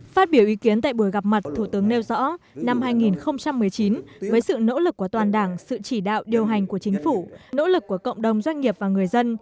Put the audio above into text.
phát biểu ý kiến tại buổi gặp mặt thủ tướng nêu rõ năm hai nghìn một mươi chín với sự nỗ lực của toàn đảng sự chỉ đạo điều hành của chính phủ nỗ lực của cộng đồng doanh nghiệp và người dân